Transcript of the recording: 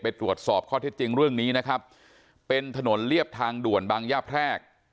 ตรวจสอบข้อเท็จจริงเรื่องนี้นะครับเป็นถนนเรียบทางด่วนบางย่าแพรก